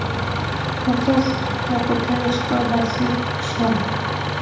پاچا صاحب دا خو تېره شپه داسې شوه.